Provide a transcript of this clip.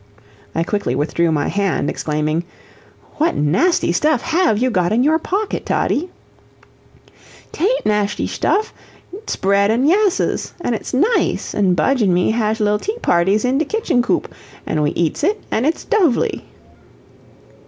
I quickly withdrew my hand, exclaiming: "What nasty stuff HAVE you got in your pocket, Toddie?" "'Taint nashty' tuff it's byead an' 'lasses, an' its nice, an' Budge an' me hazh little tea parties in de kicken coop, an' we eats it, an' it's DOVELY."